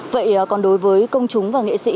vậy còn đối với công chúng và nghệ sĩ